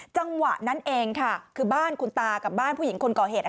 จังหวะนั้นเองค่ะคือบ้านคุณตากับบ้านผู้หญิงคนก่อเหตุ